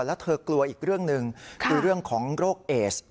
แล้วเธอกลัวอีกเรื่องหนึ่งคือเรื่องของโรคเอส